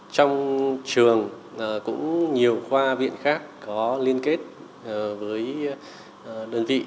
trong trường cũng nhiều khoa viện khác có liên kết với đơn vị